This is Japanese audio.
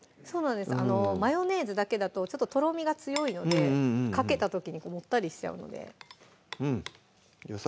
マヨネーズだけだとちょっととろみが強いのでかけた時にもったりしちゃうのでうんよ